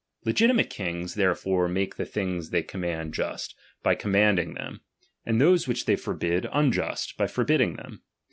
Legiti ^H mate kings therefore make the things they com ^^| mand just, by commanding them, and those which ^^| they forbid, unjust, by forbidding them.